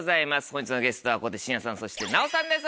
本日のゲストは小手伸也さんそして奈緒さんです